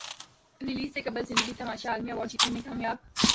release سے قبل زندگی تماشا عالمی ایوارڈ جیتنے میں کامیاب